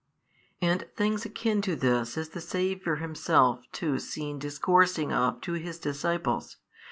And things akin to this is the Saviour Himself too seen discoursing of to His disciples.